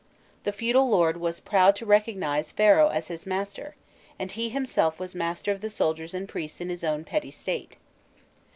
The feudal lord was proud to recognize Pharaoh as his master, and he himself was master of the soldiers and priests in his own petty state.